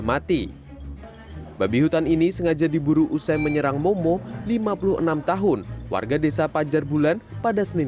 mati babi hutan ini sengaja diburu usai menyerang momo lima puluh enam tahun warga desa pajar bulan pada senin